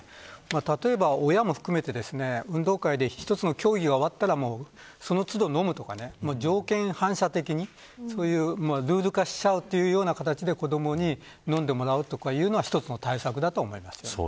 例えば、親も含めて運動会で１つの競技が終わったらその都度飲むとか条件反射的にルール化しちゃおうというような形で子どもに飲んでもらうというのは一つの対策だと思います。